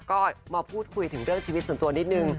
ก็มาพูดคุยถึงเรื่องชีวิตส่วนตัวนิดนึง